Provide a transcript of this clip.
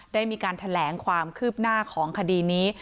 ได้ทะแลงความคืบหน้าของคดีนี้